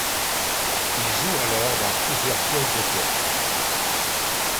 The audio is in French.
Il joue alors dans plusieurs pièces de théâtres.